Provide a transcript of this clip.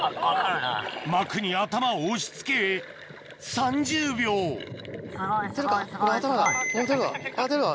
膜に頭を押し付け３０秒あっ出るわ。